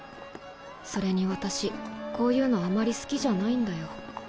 それに私こういうのあまり好きじゃないんだよ。